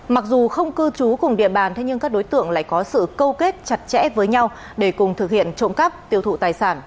mặc dù không cư trú cùng địa bàn thế nhưng các đối tượng lại có sự câu kết chặt chẽ với nhau để cùng thực hiện trộm cắp tiêu thụ tài sản